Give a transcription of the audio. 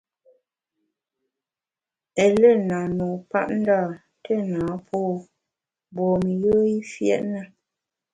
Eléna, nupapndâ, téna pô mgbom-i yùe i fiét na.